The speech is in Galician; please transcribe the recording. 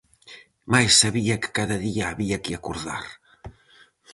Mais sabía que cada día había que acordar.